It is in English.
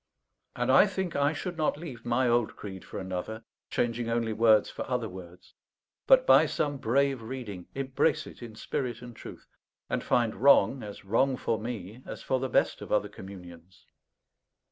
And I think I should not leave my old creed for another, changing only words for other words; but by some brave reading, embrace it in spirit and truth, and find wrong as wrong for me as for the best of other communions.